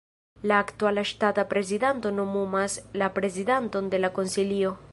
La aktuala ŝtata prezidanto nomumas la prezidanton de la konsilio.